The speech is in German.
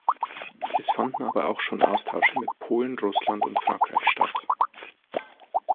Es fanden aber auch schon Austausche mit Polen, Russland und Frankreich statt.